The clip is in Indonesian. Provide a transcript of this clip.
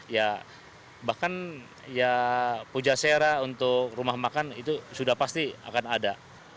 ya bahkan ya puja sera untuk rumah makan itu sudah pasti akan ada